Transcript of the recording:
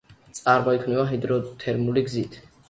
წარმოიქმნება ჰიდროთერმული გზით.